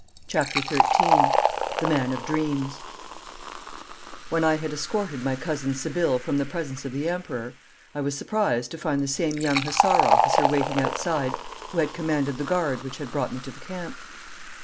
CHAPTER XIII THE MAN OF DREAMS When I had escorted my cousin Sibylle from the presence of the Emperor, I was surprised to find the same young hussar officer waiting outside who had commanded the guard which had brought me to the camp.